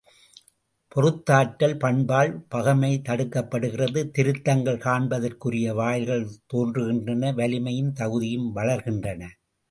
பொறுத்தாற்றல் பண்பால் பகைமை தடுக்கப்படுகிறது திருத்தங்கள் காண்பதற்குரிய வாயில்கள் தோன்றுகின்றன வலிமையும் தகுதியும் வளர்கின்றன.